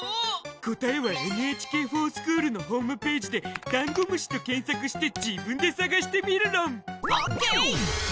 答えは「ＮＨＫｆｏｒＳｃｈｏｏｌ」のホームぺージでダンゴムシと検索して自分で探してみるろん！ＯＫ！